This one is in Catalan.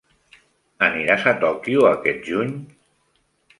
Aniràs a Tòquio aquest juny?